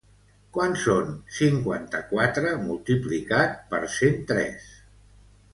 Quant son cinquanta-quatre multiplicat per cent tres?